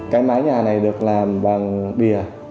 cái mái nhà này được làm bằng bìa